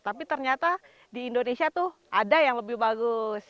tapi ternyata di indonesia tuh ada yang lebih bagus